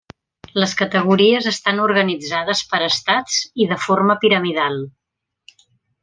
Les categories estan organitzades per estats i de forma piramidal.